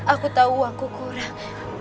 aku tahu uangku kurang